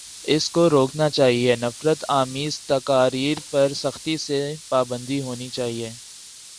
اس کو روکنا چاہیے، نفرت آمیز تقاریر پر سختی سے پابندی ہونی چاہیے۔